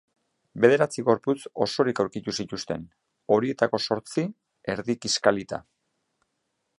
Bederatzi gorpu osorik aurkitu zituzten, horietako zortzi erdi kiskalita.